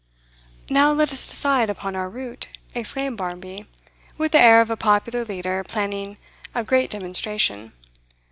'Now let us decide upon our route,' exclaimed Barmby, with the air of a popular leader planning a great demonstration.